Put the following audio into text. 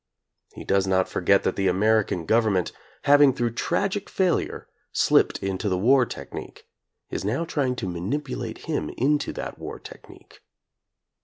He does not forget that the American government, having through tragic failure slipped into the war technique, is now trying to manipulate him into that war technique.